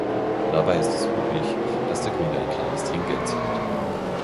Dabei ist es üblich, dass der Kunde ein kleines Trinkgeld zahlt.